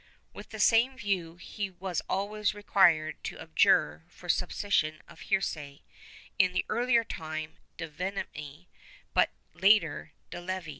"* With the same view he was always required to abjure for suspicion of heresy, in the earlier time de vehementi, but later de levi.